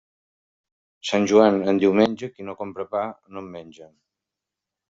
Sant Joan en diumenge, qui no compra pa no en menja.